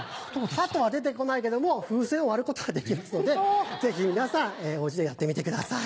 ハトは出て来ないけども風船を割ることはできますのでぜひ皆さんお家でやってみてください。